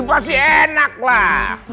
pasti enak lah